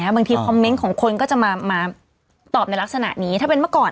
อย่างเงี้ยบางทีของคนก็จะมามาตอบในลักษณะนี้ถ้าเป็นเมื่อก่อน